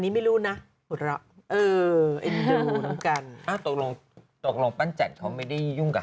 นี้ไม่รู้นะรับกันอ้าวตกลงแล้วปันะจ่ะเขาไม่ได้ยุ่งกับ